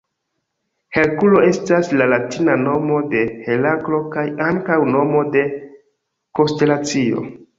Herkulo estas la latina nomo de Heraklo kaj ankaŭ nomo de konstelacio.